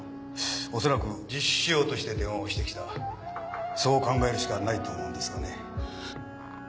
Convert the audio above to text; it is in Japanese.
おそらく自首しようとして電話をしてきたそう考えるしかないと思うんですがね。